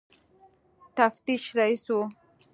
تفتیش رییس وو.